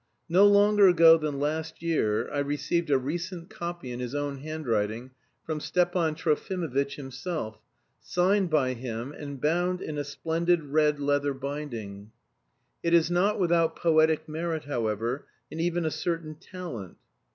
No longer ago than last year I received a recent copy in his own handwriting from Stepan Trofimovitch himself, signed by him, and bound in a splendid red leather binding. It is not without poetic merit, however, and even a certain talent.